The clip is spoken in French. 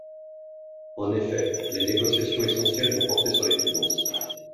En effet, les négociations essentielles vont porter sur les finances.